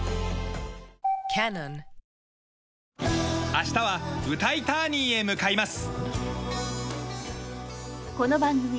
明日はウタイターニーへ向かいます。